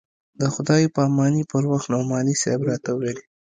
د خداى پاماني پر وخت نعماني صاحب راته وويل.